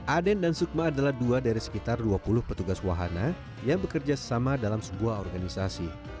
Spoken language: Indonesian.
aden dan sukma adalah dua dari sekitar dua puluh petugas wahana yang bekerja sama dalam sebuah organisasi